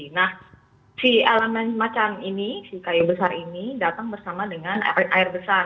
nah si elemen macam ini si kayu besar ini datang bersama dengan air besar